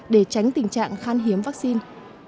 để tránh tình trạng khan hiếm vaccine